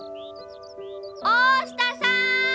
大下さん！